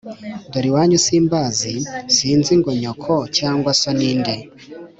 dore iwanyu simbazi, sinzi ngo nyoko cyangwa so ninde,